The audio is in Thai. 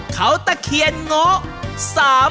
เขาตะเคียนโงะ